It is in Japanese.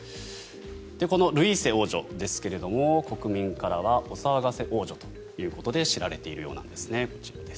ルイーセ王女ですが国民からはお騒がせ王女ということで知られているようなんですね。